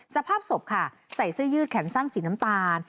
สภาพศพค่ะใส่เสื้อยืดแขนสั้นสีน้ำตาล